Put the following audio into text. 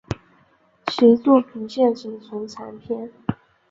其作品现仅存残篇。